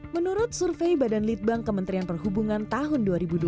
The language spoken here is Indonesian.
menurut survei badan litbang kementerian perhubungan tahun dua ribu dua puluh